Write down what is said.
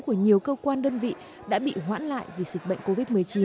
của nhiều cơ quan đơn vị đã bị hoãn lại vì dịch bệnh covid một mươi chín